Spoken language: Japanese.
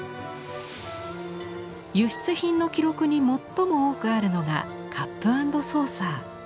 輸出品の記録に最も多くあるのがカップアンドソーサー。